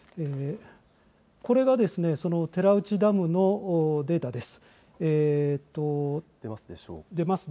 これが寺内ダムのデータです。